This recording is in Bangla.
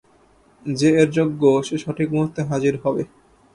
যে এর যোগ্য সে সঠিক মুহূর্তে হাজির হবে।